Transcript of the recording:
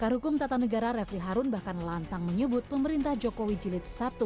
pakar hukum tata negara refli harun bahkan lantang menyebut pemerintah jokowi jilid satu